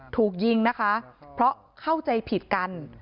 ถูกยิงนะคะเพราะเข้าใจผิดกัน